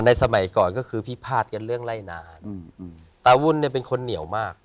สมัยก่อนก็คือพิพาทกันเรื่องไล่นานตาวุ่นเนี่ยเป็นคนเหนียวมาก